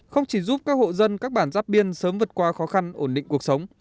không chỉ giúp các hộ dân các bản giáp biên sớm vượt qua khó khăn ổn định cuộc sống